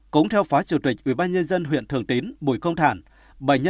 cũng theo phó chủ tịch ubnd huyện thường tín bùi công thản